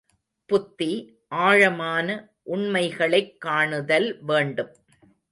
புத்தி, ஆழமான உண்மைகளைக் காணுதல் வேண்டும்.